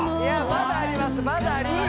いやまだあります